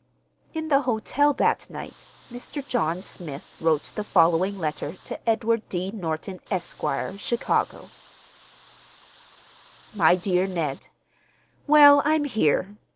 In the hotel that night, Mr. John Smith wrote the following letter to Edward D. Norton, Esq., Chicago: MY DEAR NED,—Well, I'm here.